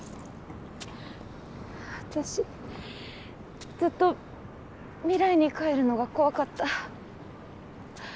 私ずっと未来に帰るのが怖かった。